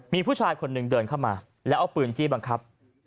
มีผู้ชายคนหนึ่งเดินเข้ามาแล้วเอาปืนจี้บังคับ